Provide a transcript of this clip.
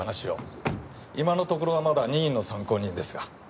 今のところはまだ任意の参考人ですが。